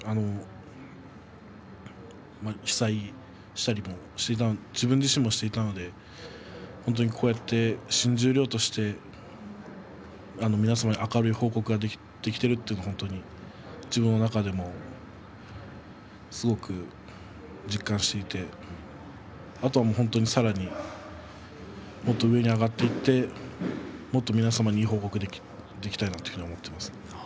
被災したりも自分もしていたので新十両として皆様に明るい報告ができているということが自分の中でもすごく実感していてあとは本当に、さらにもっと上に上がって皆さんに、いい報告ができるようにしたいなと思っています。